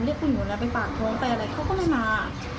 เรียกผู้หญิงคนนั้นไปปากท้องไปอะไรเขาก็ไม่มา